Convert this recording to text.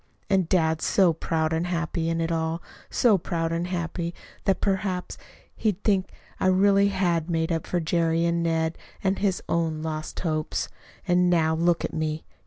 And dad so proud and happy in it all so proud and happy that perhaps he'd think I really had made up for Jerry and Ned, and his own lost hopes. "And, now, look at me!